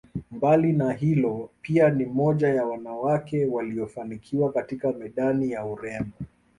Mbali na hilo pia ni mmoja ya wanawake waliofanikiwa katika medani ya urembo